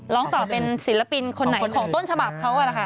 ร้องต่อเป็นศิลปินคนไหนของต้นฉบับเขาล่ะค่ะ